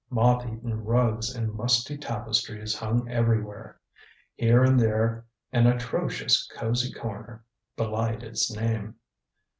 Moth eaten rugs and musty tapestries hung everywhere. Here and there an atrocious cozy corner belied its name.